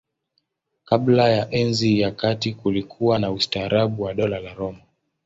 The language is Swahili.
Kabla ya Enzi ya Kati kulikuwa na ustaarabu wa Dola la Roma.